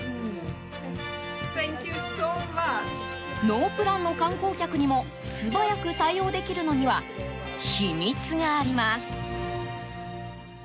ノープランの観光客にも素早く対応できるのには秘密があります。